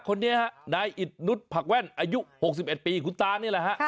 คนนี้ฮะนายอิตนุษยผักแว่นอายุ๖๑ปีคุณตานี่แหละฮะ